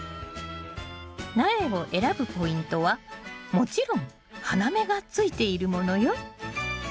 苗を選ぶポイントはもちろん花芽がついているものよ。